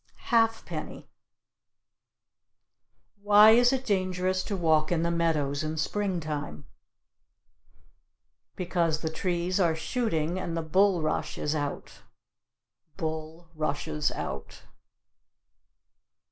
Halfpenny. Why is it dangerous to walk in the meadows in springtime? Because the trees are shooting and the bulrush is out (bull rushes out).